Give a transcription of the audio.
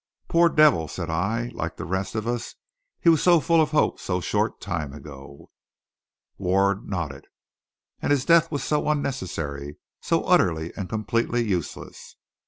"Poor devil," said I. "Like the rest of us, he was so full of hope so short time ago." Ward nodded. "And his death was so unnecessary, so utterly and completely useless."